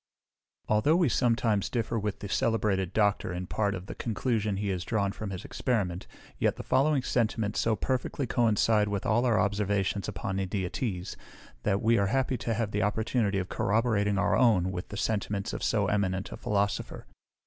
Although we sometimes differ with the celebrated Doctor in part of the conclusion he has drawn from his experiment, yet the following sentiments so perfectly coincide with all our observations upon India teas, that we are happy to have the opportunity of corroborating our own with the sentiments of so eminent a Philosopher.